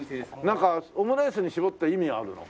なんかオムライスに絞った意味あるの？